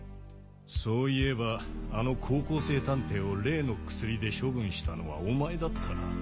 そういえばあの高校生探偵を例の薬で処分したのはお前だったな？